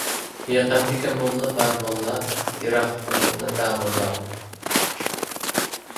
يېقىندىكى موللام بار موللام، يىراقتىكى موللام داموللام.